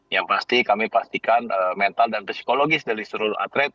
yang pasti kami pastikan mental dan psikologis dari seluruh atlet